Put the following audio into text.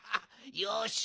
よし。